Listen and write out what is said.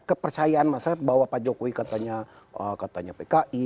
kepercayaan masyarakat bahwa pak jokowi katanya pki